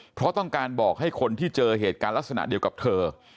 เพราะต้องการบอกให้คนที่เจอเหตุการณ์ลักษณะเดียวกับเธอ